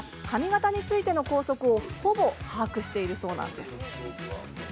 齋藤さんは髪形についての校則をほぼ把握しているそうです。